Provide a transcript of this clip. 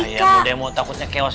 ya ya muda yang mau takutnya kewas